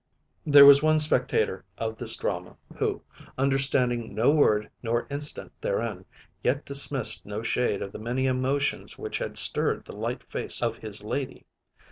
There was one spectator of this drama, who, understanding no word nor incident therein, yet dismissed no shade of the many emotions which had stirred the light face of his lady.